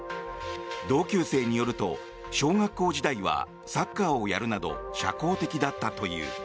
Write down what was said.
同級生によると、小学校時代はサッカーをやるなど社交的だったという。